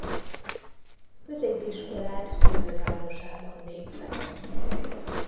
Középiskolát szülővárosában végzett.